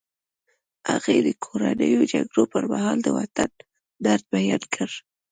هغې د کورنیو جګړو پر مهال د وطن درد بیان کړ